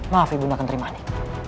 maaf ibu nda akan terima ini